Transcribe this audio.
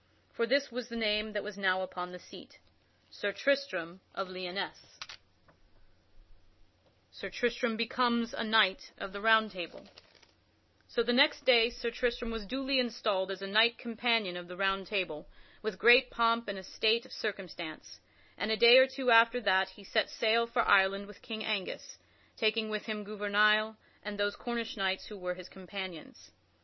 For this was the name that now was upon that seat: SIR TRISTRAM OF LYONESSE [Sidenote: Sir Tristram becomes knight of the Round Table] So the next day Sir Tristram was duly installed as a knight companion of the Round Table with a great pomp and estate of circumstance, and a day or two after that he set sail for Ireland with King Angus, taking with him Gouvernail and those Cornish knights who were his companions.